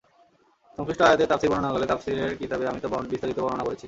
সংশ্লিষ্ট আয়াতের তাফসীর বর্ণনাকালে তাফসীরের কিতাবে আমি তা বিস্তারিত বর্ণনা করেছি।